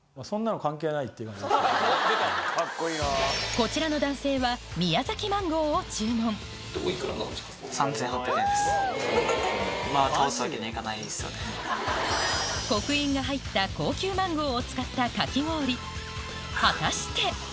こちらの男性は刻印が入った高級マンゴーを使ったかき氷果たして？